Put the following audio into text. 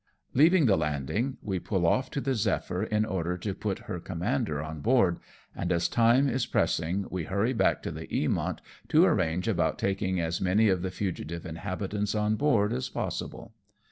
Leaving the landing, we pull off to the Zephyr in order to put her commander on board, and as time is pressing we hurry back to the Eamont to arrange about taking as manj"^ of the fugitive inhabitants on board as possible.